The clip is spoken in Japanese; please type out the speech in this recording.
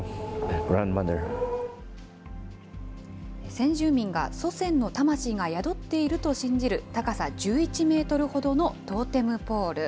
先住民が祖先の魂が宿っていると信じる、高さ１１メートルほどのトーテムポール。